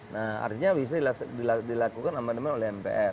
nah artinya bisa dilakukan amandemen oleh mpr